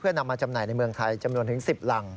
นำมาจำหน่ายในเมืองไทยจำนวนถึง๑๐รัง